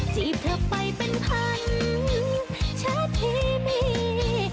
จีบเธอไปเป็นพันชาพีมี